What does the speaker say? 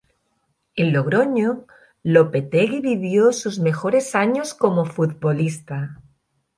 En Logroño, Lopetegui vivió sus mejores años como futbolista.